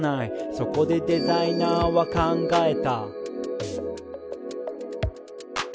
「そこでデザイナーは考えた」